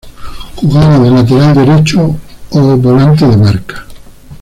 Jugaba de lateral derecho o volante de marca.